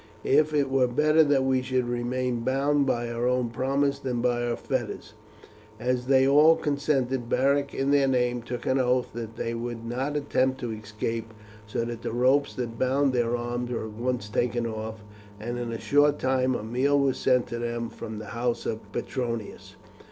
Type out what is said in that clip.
It were better that we should remain bound by our own promise than by fetters." As they all consented, Beric, in their name, took an oath that they would not attempt to escape, so that the ropes that bound their arms were at once taken off, and in a short time a meal was sent to them from the house of Petronius.